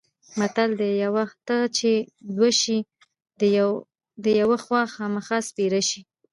متل دی: یوه ته چې دوه شي د یوه خوامخا سپېره شي.